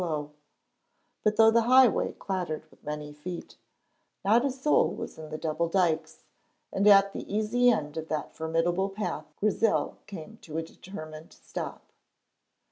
But though the highway clattered with many feet, not a soul was in the double dykes, and at the easy end of that formidable path Grizel came to a determined stop.